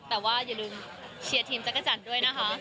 แต่ว่าอย่าลืมเชียร์ทีมจักรจันทร์ด้วยนะคะ